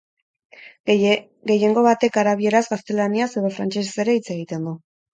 Gehiengo batek arabieraz, gaztelaniaz edo frantsesez ere hitz egiten du.